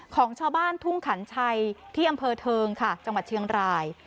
ของชาวบ้านทุ่งขันชัยที่อำเภอเทิงค่ะจังหวัดเชียงราย